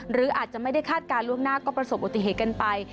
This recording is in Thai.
หรืออาจจะไม่ได้คาดการณ์ล่วงหน้าก็ประสบอุบัติเหตุกันไป